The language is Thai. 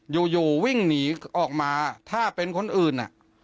อยู่วิ่งหนีออกมาถ้าเป็นคนอื่น